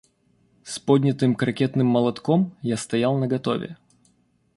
С поднятым крокетным молотком я стоял наготове.